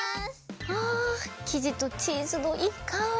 あきじとチーズのいいかおり！